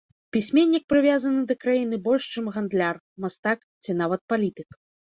Пісьменнік прывязаны да краіны больш, чым гандляр, мастак ці нават палітык.